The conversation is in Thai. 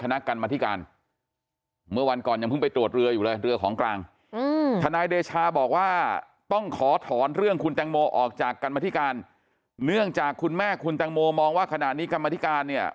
เนื่องจากคุณแม่คุณแต่งโมมองว่าขณะนี้คณะกรรมธิการ